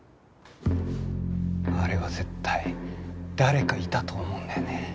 あれは絶対誰かいたと思うんだよね。